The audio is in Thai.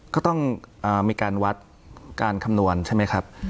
ก็ต้องมีการวัดการคำนวณใช่ไหมครับ